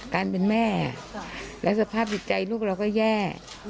การเป็นแม่และสภาพจิตใจลูกเราก็แย่